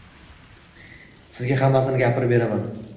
Sizga hammasini gapirib beraman